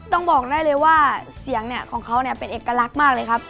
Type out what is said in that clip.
ต้องบอกได้เลยว่าเสียงเนี่ยของเขาเป็นเอกลักษณ์มากเลยครับ